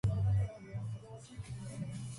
He was succeeded by his son Drogo.